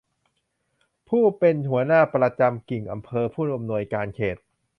ผู้เป็นหัวหน้าประจำกิ่งอำเภอผู้อำนวยการเขต